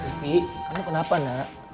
risti kamu kenapa nak